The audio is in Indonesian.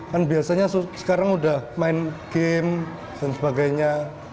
kan biasanya sekarang udah main game dan sebagainya